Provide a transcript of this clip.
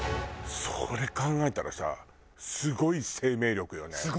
それ考えたらさすごい生命力よね。